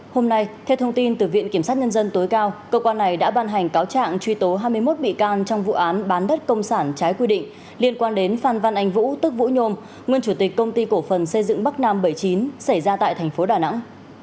hôm nay theo thông tin từ viện kiểm sát nhân dân tối cao cơ quan này đã ban hành cáo trạng truy tố hai mươi một bị can trong vụ án bán đất công sản trái quy định liên quan đến phan văn anh vũ tức vũ nhôm nguyên chủ tịch công ty cổ phần xây dựng bắc nam bảy mươi chín xảy ra tại thành phố đà nẵng